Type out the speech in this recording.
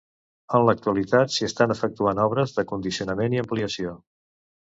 En l'actualitat s'hi estan efectuant obres de condicionament i ampliació.